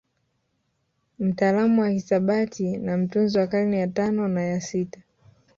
Mtaalamu wa hisabati na mtunzi wa karne ya tano na ya sita